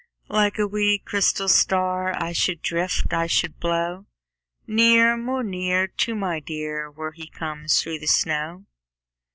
Like a wee, crystal star I should drift, I should blow Near, more near, To my dear Where he comes through the snow.